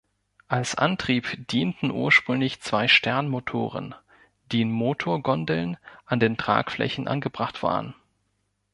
Als Antrieb dienten ursprünglich zwei Sternmotoren, die in Motorgondeln an den Tragflächen angebracht waren.